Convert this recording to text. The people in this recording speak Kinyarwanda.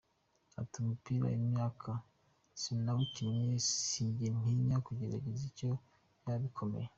Ati “Umupira imyaka nawukinnye sinjya ntinya kugerageza n’iyo byaba bikomeye.